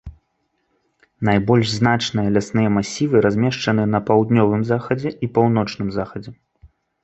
Найбольш значныя лясныя масівы размешчаны на паўднёвым захадзе і паўночным захадзе.